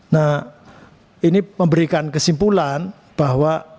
nah ini memberikan kesimpulan bahwa